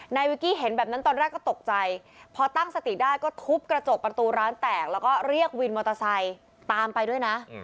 วิกกี้เห็นแบบนั้นตอนแรกก็ตกใจพอตั้งสติได้ก็ทุบกระจกประตูร้านแตกแล้วก็เรียกวินมอเตอร์ไซค์ตามไปด้วยนะ